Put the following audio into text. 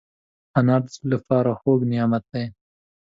انار د زړه له پاره خوږ نعمت دی.